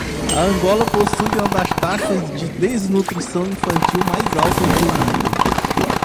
Angola possui uma das taxas de desnutrição infantil mais altas do mundo.